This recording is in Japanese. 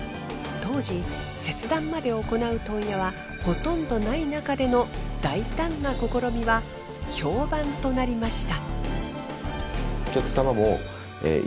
当時切断まで行う問屋はほとんどないなかでの大胆な試みは評判となりました。